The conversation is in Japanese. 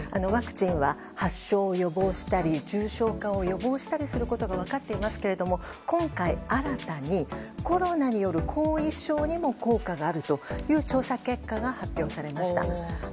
ワクチンは発症を予防したり重症化を予防したりすることが分かっていますけれども今回、新たにコロナによる後遺症にも効果があるという調査結果が発表されました。